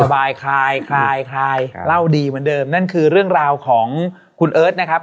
สบายคลายคลายเล่าดีเหมือนเดิมนั่นคือเรื่องราวของคุณเอิร์ทนะครับ